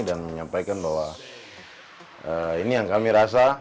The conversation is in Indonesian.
dan menyampaikan bahwa ini yang kami rasa